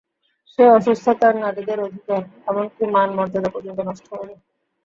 যে অসুস্থতায় নারীদের অধিকার, এমনকি মান মর্যাদা পর্যন্ত নষ্ট হয়ে যায়।